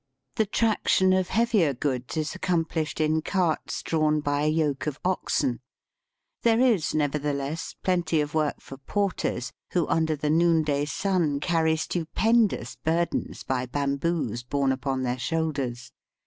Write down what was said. The traction of heavier goods is accom plished in carts drawn by a yoke of oxen. There is, nevertheless, plenty of work for porters, who under the noonday sun carry stupendous burdens by bamboos borne upon their shoulders.